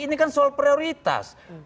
ini kan soal prioritas